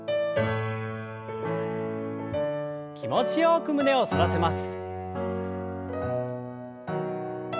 気持ちよく胸を反らせます。